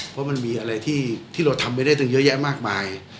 เพราะมันมีอะไรที่เราทำไปได้ตั้งเยอะแยะมากมาย